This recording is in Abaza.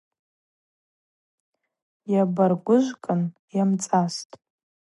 Йабаргвыжвкӏын – йамцӏастӏ.